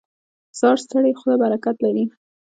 • د سهار ستړې خوله برکت لري.